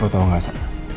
lo tau gak sa